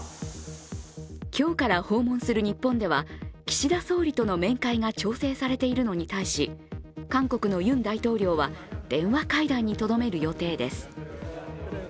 今日から訪問する日本では岸田総理との面会が調整されていのに対し韓国のユン大統領は電話会談にとどめる予定です。